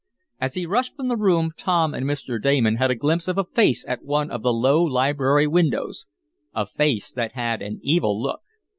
As he rushed from the room, Tom and Mr. Damon had a glimpse of a face at one of the low library windows a face that had an evil look.